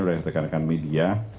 saya rekan rekan media